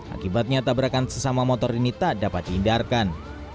akibatnya tabrakan sesama motor ini tak dapat dihindarkan